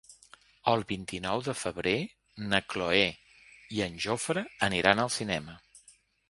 El vint-i-nou de febrer na Cloè i en Jofre aniran al cinema.